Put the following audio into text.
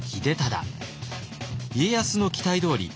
家康の期待どおり